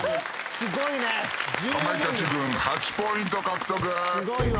すごいわ。